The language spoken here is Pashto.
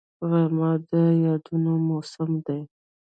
غرمه د یادونو موسم دی